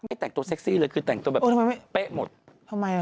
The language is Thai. ไม่แต่งตัวเซ็กซี่เลยคือแต่งตัวแบบเป๊ะหมด